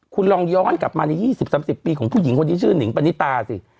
คุณลองย้อนกลับมาใน๒๐๓๐ปีของผู้หญิงคนที่ชื่อหนิงปณิตาสิ